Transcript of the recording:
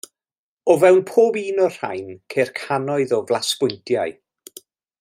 O fewn pob un o'r rhain ceir cannoedd o flasbwyntiau.